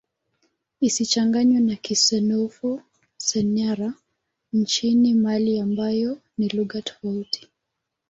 Isichanganywe na Kisenoufo-Syenara nchini Mali ambayo ni lugha tofauti.